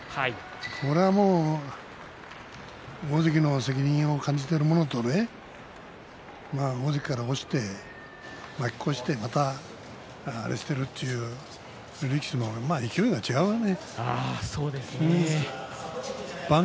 これはもう大関の責任を感じているものと大関から落ちて負け越してまたあれしてるという力士のまあ勢いが違うね。